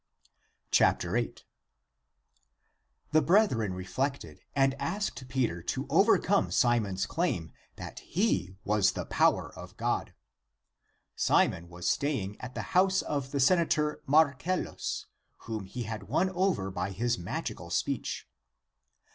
8. The brethren (reflected) and asked Peter to overcome Simon's claim that he was the power of God. Simon was staying at the house of the senator Marcellus, whom he had won over by his magical speech.